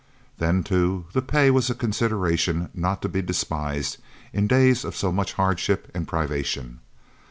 Then too, the pay was a consideration not to be despised in days of so much hardship and privation.